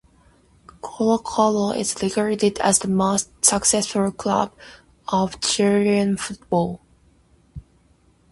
Colo-Colo is regarded as the most successful club of Chilean football.